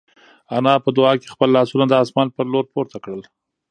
انا په دعا کې خپل لاسونه د اسمان په لور پورته کړل.